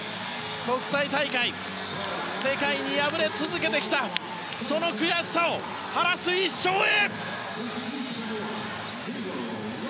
国際大会、世界に敗れ続けてきたその悔しさを晴らす１勝へ！